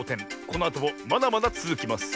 このあともまだまだつづきます。